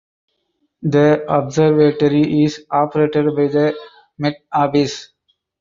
The observatory is operated by the Met Office.